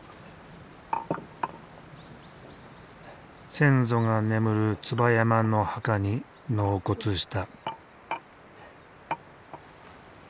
先祖が眠る椿山の墓に納骨した。